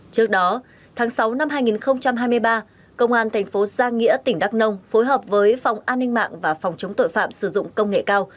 trước đó tháng sáu năm hai nghìn hai mươi ba công an thành phố giang nghĩa tỉnh đắk nông phối hợp với phòng an ninh mạng và phòng chống tội phạm sử dụng công nghệ cao